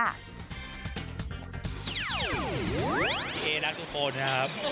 พี่เอนักทุกคนนะครับ